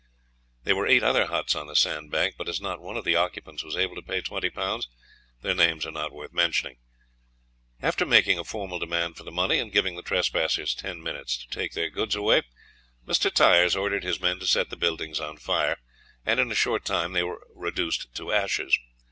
There were eight other huts on the sandbank, but as not one of the occupants was able to pay twenty pounds, their names are not worth mentioning. After making a formal demand for the money, and giving the trespassers ten minutes to take their goods away, Mr. Tyers ordered his men to set the buildings on fire, and in a short time they were reduced to ashes.